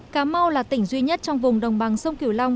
cà mau là tỉnh duy nhất trong vùng đồng bằng sông kiều long